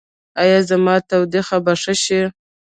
ایا زما ټوخی به ښه شي؟